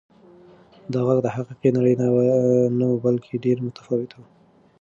دا غږ د حقیقي نړۍ نه و بلکې ډېر متفاوت و.